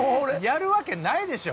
やるわけないでしょ！